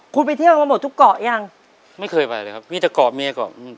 คุณไปเที่ยวมาหมดทุกเกาะยังไม่เคยไปเลยครับมีแต่เกาะเมียเกาะอืม